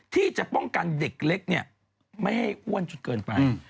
ที่จะป้องกันเด็กเล็กเนี่ยไม่ให้อ้วนจนเกินไป